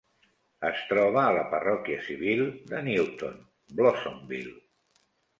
Es troba a la parròquia civil de Newton Blossomville.